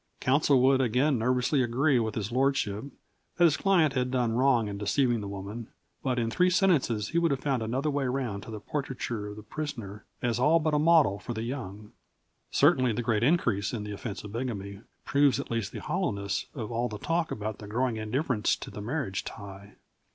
Counsel would again nervously agree with his lordship that his client had done wrong in deceiving the woman, but in three sentences he would have found another way round to the portraiture of the prisoner as all but a model for the young. Certainly, the great increase in the offence of bigamy proves at least the hollowness of all the talk about the growing indifference to the marriage tie.